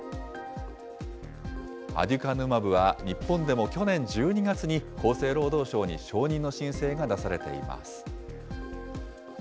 アデュカヌマブは日本でも去年１２月に厚生労働省に承認の申請が出されています。